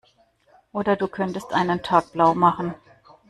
Oder du könntest einen Tag blaumachen.